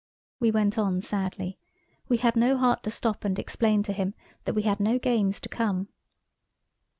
We went on sadly. We had no heart to stop and explain to him that we had no games to come.